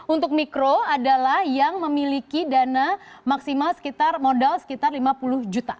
untuk mikro adalah yang memiliki dana maksimal sekitar modal sekitar lima puluh juta